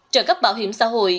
trợ cấp bảo hiểm xã hội